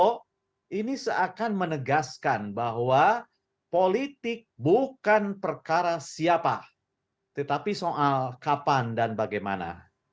pak ini seakan menegaskan bahwa politik bukan perkara siapa tetapi soal kapan dan bagaimana